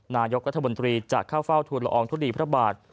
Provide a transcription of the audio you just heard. นายกรัฐบนตรีจากข้าวเฝ้าทูลอองธุรีพระบาท